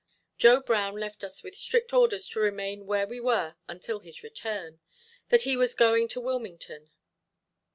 Joe Brown left us with strict orders to remain where we were until his return, that he was going to Wilmington.